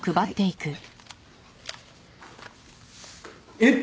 えっ！